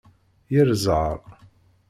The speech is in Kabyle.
Yir zzheṛ!